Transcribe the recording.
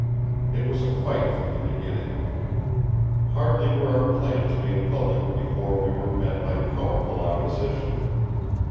It was a fight from the beginning. Hardly were our plans made public before we were met by powerful opposition.